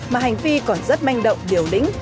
mà hành vi còn rất manh động điều đính